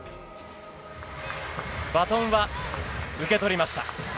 バトンは受け取りました。